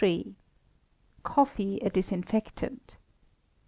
Coffee a Disinfectant.